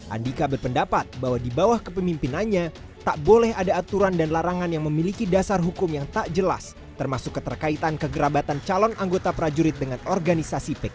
andika berpendapat bahwa di bawah kepemimpinannya tak boleh ada aturan dan larangan yang memiliki dasar hukum yang tak jelas termasuk keterkaitan kegerabatan calon anggota prajurit dengan organisasi pk